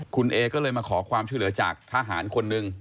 คุณเอก็เลยมาขอความช่วยเหลือจากทหารคนหนึ่ง